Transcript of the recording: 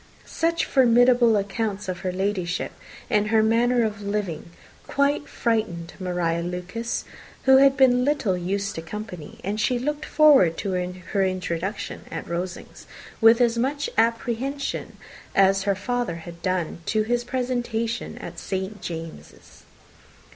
Such formidable accounts of her Ladyship, and her manner of living, quite frightened Maria Lucas, who had been little used to company; and she looked forward to her introduction at Rosings with as much apprehension as her father had done to his presentation at St. James's.